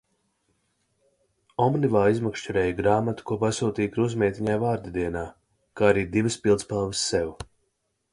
Omnivā izmakšķerēju grāmatu, ko pasūtīju krustmeitiņai vārda dienā, kā arī divas pildspalvas sev.